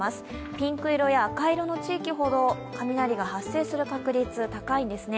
ピンク色や赤色の地域ほど雷が発生する確率、高いんですね。